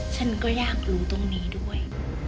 ฉันก็อยากรู้ตรงนี้ด้วย